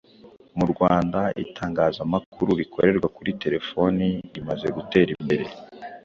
Mu Rwanda itangazamakuru rikorerwa kuri terefoni rimaze gutera imbere.